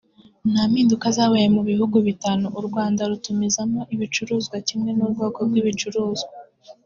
nta mpinduka zabaye mu bihugu bitanu u Rwanda rutumizamo ibicuruzwa kimwe n’ubwoko bw’ibicuruzwa